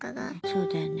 そうだよね。